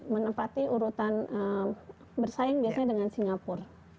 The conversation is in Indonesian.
menempati urutan bersaing biasanya dengan singapura